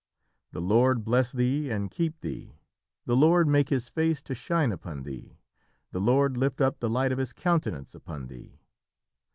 "The Lord bless thee and keep thee.... The Lord make His face to shine upon thee.... The Lord lift up the light of His countenance upon thee...."